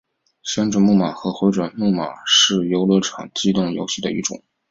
旋转木马或回转木马是游乐场机动游戏的一种。